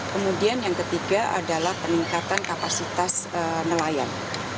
kemudian yang ketiga adalah peningkatan kapasitas nelayan